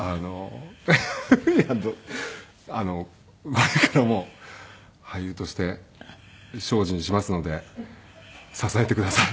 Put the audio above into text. これからも俳優として精進しますので支えてください。